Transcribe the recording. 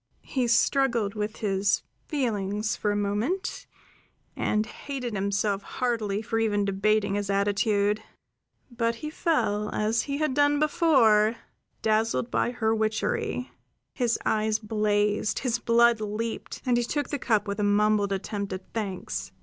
He struggled with his feelings for a moment, and hated himself heartily for even debating his attitude. But he fell, as he had done before, dazzled by her witchery. His eyes blazed, his blood leaped, and he took the cup with a mumbled attempt at thanks.